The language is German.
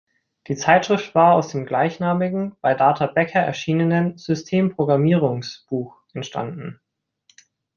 Die Zeitschrift war aus dem gleichnamigen, bei Data Becker erschienenen, Systemprogrammierungs-Buch entstanden.